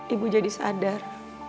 ibu jadi sadar